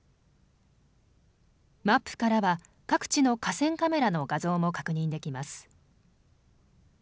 マップからは各地の河川カメラの画像も確認できます。